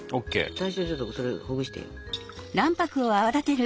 最初はちょっとそれほぐしてよ。